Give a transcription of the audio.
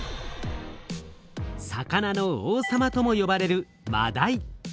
「魚の王様」ともよばれるマダイ。